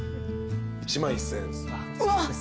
１万１，０００円です。